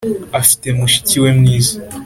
afite mushiki we mwiza